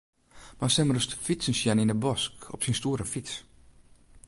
Moatst him ris fytsen sjen yn 'e bosk op syn stoere fyts.